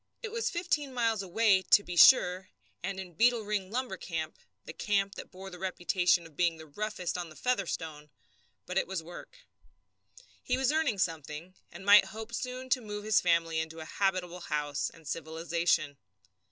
It was fifteen miles away, to be sure, and in "Beetle Ring" lumber camp, the camp that bore the reputation of being the roughest on the Featherstone, but it was work. [Footnote 2: From the Youth's Companion, November 30, 1905.] He was earning something, and might hope soon to move his family into a habitable house and civilization.